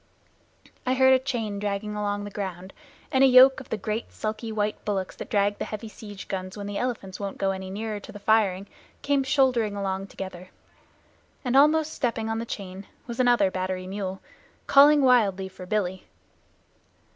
I heard a chain dragging along the ground, and a yoke of the great sulky white bullocks that drag the heavy siege guns when the elephants won't go any nearer to the firing, came shouldering along together. And almost stepping on the chain was another battery mule, calling wildly for "Billy."